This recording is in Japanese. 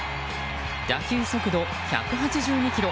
打球速度１８２キロ